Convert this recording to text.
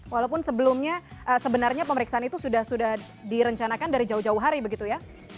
walaupun sebelumnya sebenarnya pemeriksaan itu sudah sudah direncanakan dari jauh jauh hari begitu ya